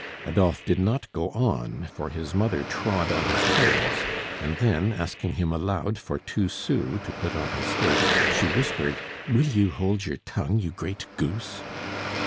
Adolphe did not go on, for his mother trod on his toes; and then, asking him aloud for two sous to put on her stake, she whispered: "Will you hold your tongue, you great goose!"